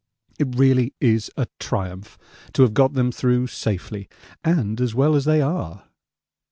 It really is a triumph to have got them through safely and as well as they are.